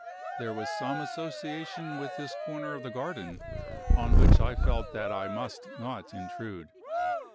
There was some association with this corner of the garden, on which I felt that I must not intrude.